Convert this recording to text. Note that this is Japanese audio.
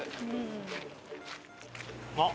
あっ！